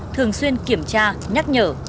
thường xuyên kiểm tra nhắc nhở